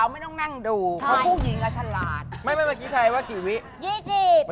มีลูกหวัยด้วย